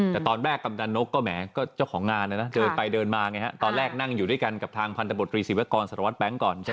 แต่ตอนแรกกำนักนกก็แหมก็เจ้าของงานนะโดยไปเดินมาไงตอนแรกนั่งอยู่ด้วยกันกับทางพันธบตรีศิเวกรสัทวัฏปแป๊งก่อน